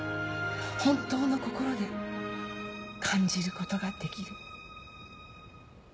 本当の心で感じることができる。